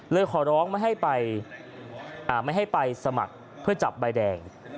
เลยขอร้องไม่ให้ไปสมัครเพื่อจับใบแดง